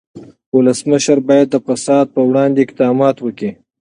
ولسمشر باید د فساد پر وړاندې اقدامات وکړي.